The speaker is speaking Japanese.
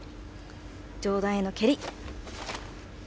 上段への蹴り。